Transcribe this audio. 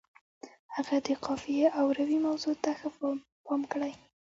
هغه د قافیې او روي موضوع ته ښه پام کړی.